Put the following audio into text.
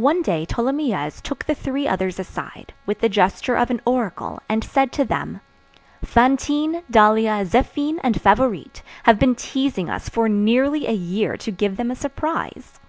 One day Tholomyès took the three others aside, with the gesture of an oracle, and said to them:— "Fantine, Dahlia, Zéphine, and Favourite have been teasing us for nearly a year to give them a surprise.